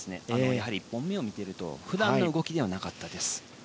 １本目を見ていると普段の動きではなかったです。